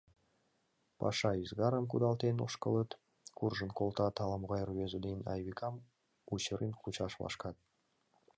Паша ӱзгарым кудалтен ошкылыт, куржын колтат, ала-могай рвезе ден Айвикам учырен кучаш вашкат.